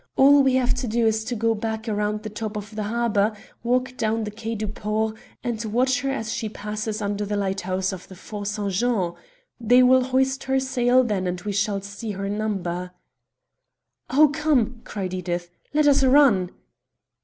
All we have to do is to go back around the top of the harbour, walk down the Quai du Port, and watch her as she passes under the lighthouse of the Fort St. Jean. They will hoist her sail then and we shall see her number." "Oh, come," cried Edith, "let us run!"